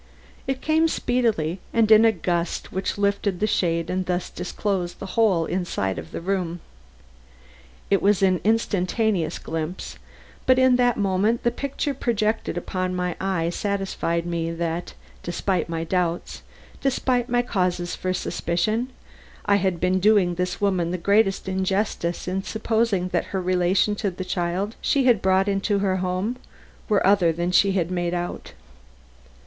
It came speedily, and in a gust which lifted the shade and thus disclosed the whole inside of the room. It was an instantaneous glimpse, but in that moment the picture projected upon my eye satisfied me that, despite my doubts, despite my causes for suspicion, I had been doing this woman the greatest injustice in supposing that her relations to the child she had brought into her home were other than she had made out.